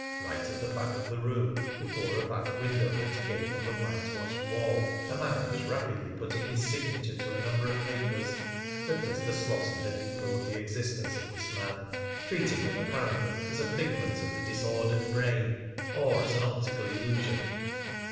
Right at the back of the room, before a back window that gave on the whitewashed wall, a man was rapidly putting his signature to a number of papers. But Mr. Slosson had ignored the existence of this man, treating him apparently as a figment of the disordered brain, or as an optical illusion.